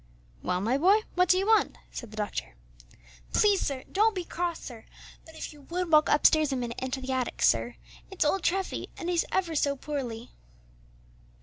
"Well, my boy, what do you want?" said the doctor. "Please, sir don't be cross, sir, but if you would walk upstairs a minute into the attic, sir; it's old Treffy, and he's ever so poorly."